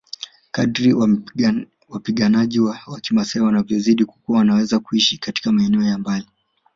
Kadri wapiganaji wa kimaasai wanavyozidi kukua wanaweza kuishi katika maeneo ya mbali